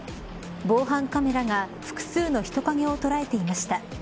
防犯カメラが複数の人影を捉えていました。